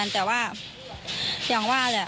แต่ว่า